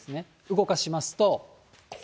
動かしますと。